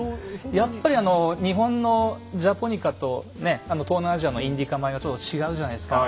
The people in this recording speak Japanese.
やっぱり日本の「ジャポニカ」と東南アジアの「インディカ米」はちょっと違うじゃないですか。